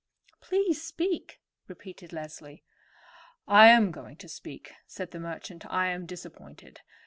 "Please speak," repeated Leslie. "I am going to speak," said the merchant. "I am disappointed.